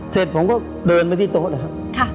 เสร็จผมก็เดินไปที่โต๊ะนะครับ